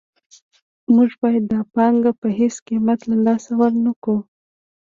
موږ باید دا پانګه په هېڅ قیمت له لاسه ورنکړو